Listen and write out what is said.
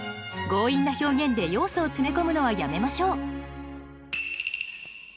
強引な表現で要素を詰め込むのはやめましょう。